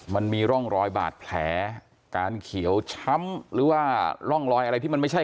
มันมีร่องรอยบาดแผลการเขียวช้ำหรือว่าร่องรอยอะไรที่มันไม่ใช่